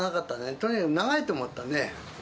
とにかく長いと思ったね。